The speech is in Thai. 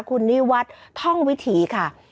คุณนิวัฒน์ท่องวิถีค่ะ